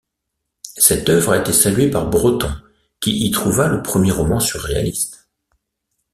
Cette œuvre a été saluée par Breton qui y trouva le premier roman surréaliste.